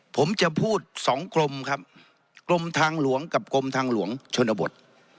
ผมจะพูดสองกรมครับกรมทางหลวงกับกรมทางหลวงชนบท